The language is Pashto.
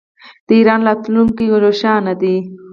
د ایران راتلونکی روښانه دی.